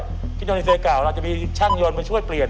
เครื่องยนต์รีเซลเก่าอาจจะมีช่างยนต์มาช่วยเปลี่ยน